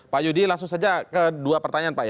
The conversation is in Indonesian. pak yudi langsung saja ke dua pertanyaan pak ya